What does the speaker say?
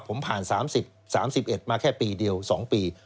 ผมผ่าน๓๑มาแค่ปีเดียว๒ปี